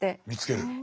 見つける。